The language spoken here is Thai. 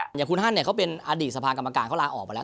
อย่างคุณฮันเนี่ยเขาเป็นอดีตสภากรรมการเขาลาออกไปแล้ว